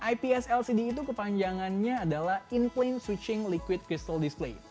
ips lcd itu kepanjangannya adalah incluin switching liquid crystal display